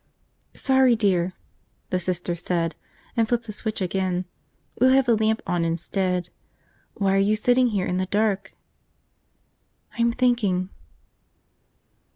"Sorry, dear," the Sister said, and flipped the switch again. "We'll have the lamp on instead. Why are you sitting here in the dark?" "I'm thinking."